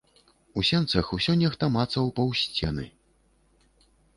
У сенцах усё нехта мацаў паўз сцены.